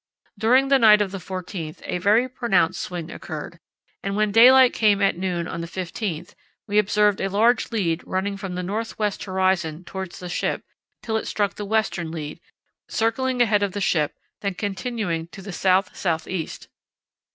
During the night of the 14th a very pronounced swing occurred, and when daylight came at noon on the 15th we observed a large lead running from the north west horizon towards the ship till it struck the western lead, circling ahead of the ship, then continuing to the south south east.